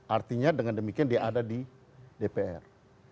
artinya dengan demikian dia ada di dpr